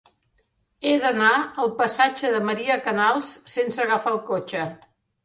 He d'anar al passatge de Maria Canals sense agafar el cotxe.